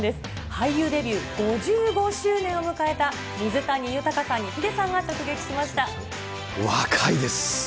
俳優デビュー５５周年を迎えた水谷豊さんにヒデさんが直撃しまし若いです。